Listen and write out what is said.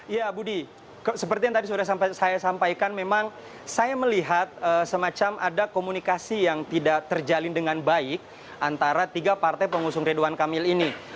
ya budi seperti yang tadi sudah saya sampaikan memang saya melihat semacam ada komunikasi yang tidak terjalin dengan baik antara tiga partai pengusung ridwan kamil ini